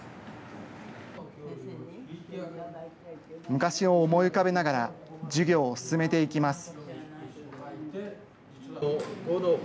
昔を思い浮かべながら、授業を進めていきます。